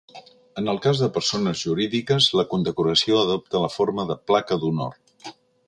En el cas de persones jurídiques, la condecoració adopta la forma de Placa d'Honor.